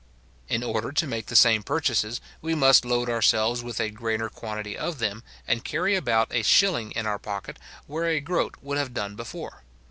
In order to make the same purchases, we must load ourselves with a greater quantity of them, and carry about a shilling in our pocket, where a groat would have done before.